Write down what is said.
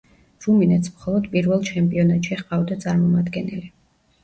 რუმინეთს მხოლოდ პირველ ჩემპიონატში ჰყავდა წარმომადგენელი.